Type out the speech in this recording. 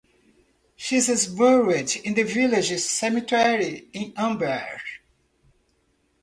She is buried in the village cemetery in Amber.